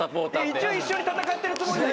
一応一緒に戦ってるつもり。